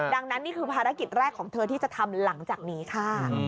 ดังนั้นนี่คือภารกิจแรกของเธอที่จะทำหลังจากนี้ค่ะ